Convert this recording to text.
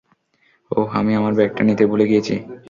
ওহ, আমি আমার ব্যাগটা নিতে ভুলে গিয়েছি।